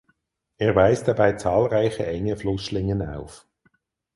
Er weist dabei zahlreiche enge Flussschlingen auf.